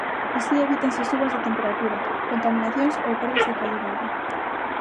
Así evítanse subas de temperatura, contaminacións ou perdas de calidade.